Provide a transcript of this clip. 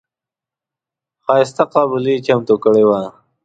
ښایسته قابلي یې چمتو کړې وه.